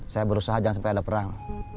saya berusaha jangan sampai ada perang